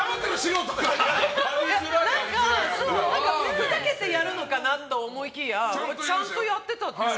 ふざけてやるのかなと思いきやちゃんとやってたから。